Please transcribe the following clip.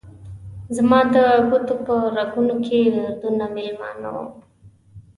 زما د ګوتو په رګونو کې دردونه میلمانه وه